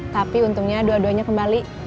tapi untungnya dua duanya kembali